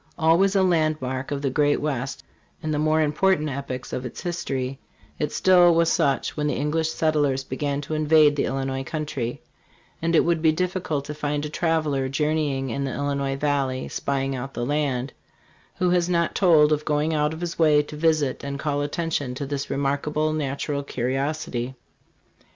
Always a landmark of the great West in the more important epochs of its history, it still was such when the English settlers began to invade the Illinois country ; and it would be difficult to find a traveler journeying in the Illinois valley "spying out the land," who has not told of going out of his way to visit and call attention to this remarkable natural curiosity.